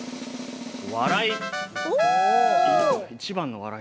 笑い。